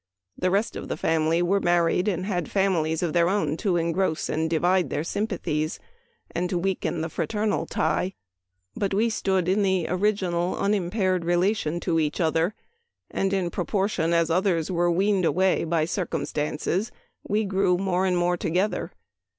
The rest of the family were married and had families Memoir of Washington Irving. 253 of their own to engross or divide their sympa thies, and to weaken the fraternal tie ; but we stood in the original, unimpaired relation to each other, and in proportion as others were weaned away by circumstances we grew more and more together.